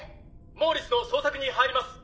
モーリスの捜索に入ります。